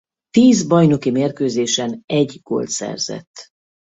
Tíz bajnoki mérkőzésen egy gólt szerzett.